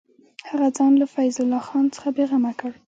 هغه ځان له فیض الله خان څخه بېغمه کړ.